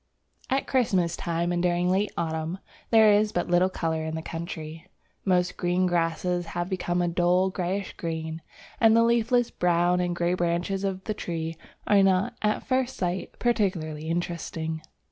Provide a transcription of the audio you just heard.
AT Christmas time and during late autumn, there is but little colour in the country. Most green grasses have become a dull greyish green, and the leafless brown and grey branches of the trees are not, at first sight, particularly interesting.